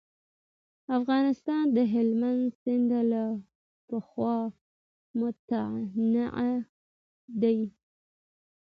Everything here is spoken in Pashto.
افغانستان د هلمند سیند له پلوه متنوع دی.